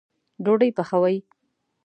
ډوډۍ پخوئ